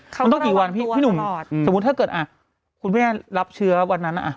เขาต้องกี่วันพี่หนุ่มสมมุติถ้าเกิดคุณพี่แม่รับเชื้อวันนั้น